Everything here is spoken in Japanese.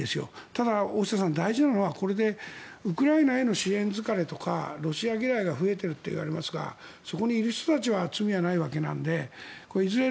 ただ、大下さん大事なのはこれでウクライナへの支援疲れとかロシア嫌いが増えていると言われますがそこにいる人たちには罪はないわけなのでいずれ